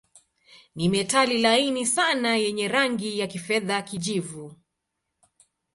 Ni metali laini sana yenye rangi ya kifedha-kijivu.